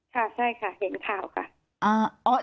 ค่ะใช่ค่ะเห็นข่าวค่ะ